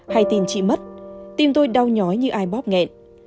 hay tin chị mất tim tôi đau nhói như ai bóp nghẹn